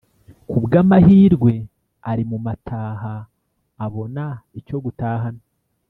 Kubwamahirwe ari mumataha abona icyogutahana